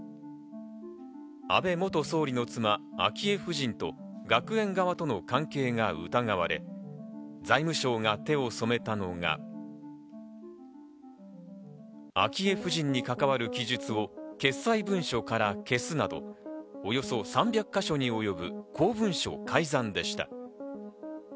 安倍元総理の妻・昭恵夫人と学園側との関係が疑われ、財務省が手を染めたのが昭恵夫人に関わる記述を決裁文書から消すなど、およそ３００か所に及ぶ公文書改ざんでした。